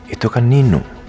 itu kan nino